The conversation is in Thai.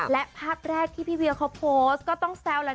และภาพแรกที่พี่เวียเขาโพสต์ก็ต้องแซวแหละ